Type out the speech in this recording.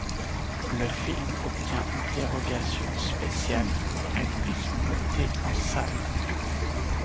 Le film obtient une dérogation spéciale pour être exploité en salle.